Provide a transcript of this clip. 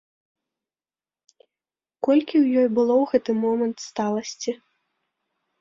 Колькі ў ёй было ў гэты момант сталасці!